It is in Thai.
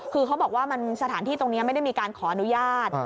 คือเขาบอกว่าสถานที่ตรงนี้ไม่ได้มีการขออนุญาต